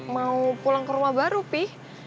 mau pulang ke rumah baru pi